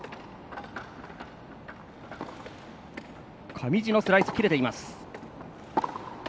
上地のスライスも切れています。